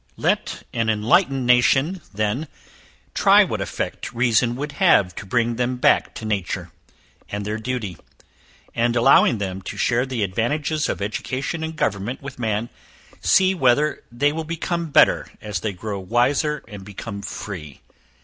Let an enlightened nation then try what effect reason would have to bring them back to nature, and their duty; and allowing them to share the advantages of education and government with man, see whether they will become better, as they grow wiser and become free.